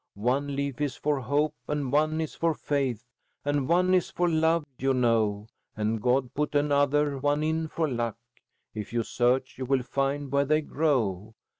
"One leaf is for hope and one is for faith, And one is for love you know, And God put another one in for luck. If you search you will find where they grow.